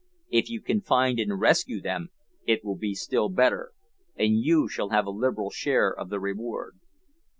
If you can find and rescue them it will be still better, and you shall have a liberal share of the reward."